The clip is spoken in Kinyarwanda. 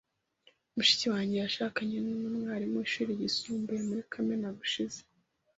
Mushiki wanjye yashakanye numwarimu wishuri ryisumbuye muri kamena gushize.